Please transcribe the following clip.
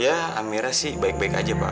ya amirnya sih baik baik aja pak